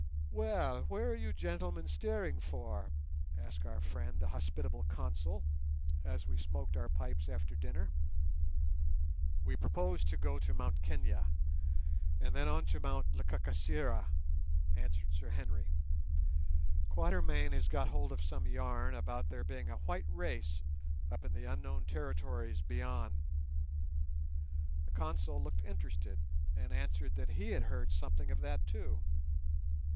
"Well, where are you gentlemen steering for?" asked our friend the hospitable Consul, as we smoked our pipes after dinner. "We propose to go to Mt Kenia and then on to Mt Lekakisera," answered Sir Henry. "Quatermain has got hold of some yarn about there being a white race up in the unknown territories beyond." The Consul looked interested, and answered that he had heard something of that, too.